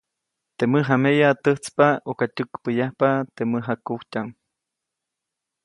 Teʼ mäjameya täjtspa ʼuka tyäkpäʼyajpa teʼ mäjakujtyaʼm.